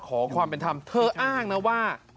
ขอความเป็นธีมนะเธออ้างว่า